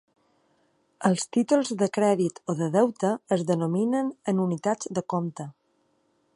Els títols de crèdit o de deute es denominen en unitats de compte.